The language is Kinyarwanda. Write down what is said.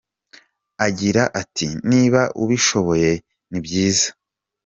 Agira ati “Niba ubishoboye ni byiza.